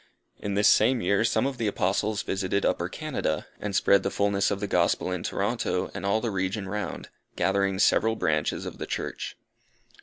In this same year, some of the Apostles visited Upper Canada, and spread the fulness of the Gospel in Toronto and all the region round, gathering several Branches of the Church.